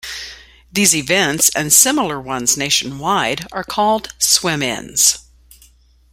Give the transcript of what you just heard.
These events, and similar ones nationwide, are called "swim-ins".